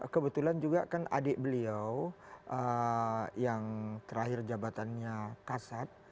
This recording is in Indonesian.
kebetulan juga kan adik beliau yang terakhir jabatannya kasat